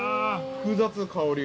複雑、香りが。